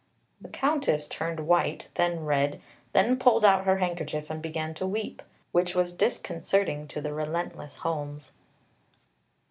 The Countess turned white, then red, then pulled out her handkerchief and began to weep, which was disconcerting to the relentless Holmes.